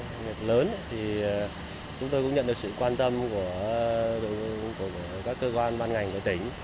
đặc biệt lớn thì chúng tôi cũng nhận được sự quan tâm của các cơ quan ban ngành của tỉnh